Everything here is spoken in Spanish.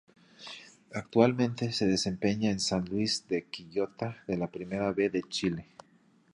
Actualmente se desempeña en San Luis de Quillota de la Primera B de Chile.